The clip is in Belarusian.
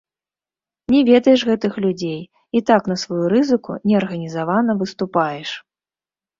Не ведаеш гэтых людзей і так на сваю рызыку неарганізавана выступаеш!